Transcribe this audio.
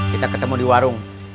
kita ketemu di warung